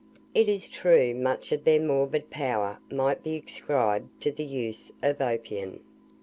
It is true, much of their morbid power might be ascribed to the use of opium.